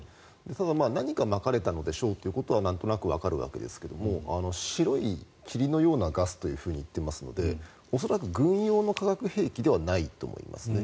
ただ、何かまかれたのでしょうということはなんとなくわかるんですが白い霧のようなガスというふうに言ってますので恐らく、軍用の化学兵器ではないと思いますね。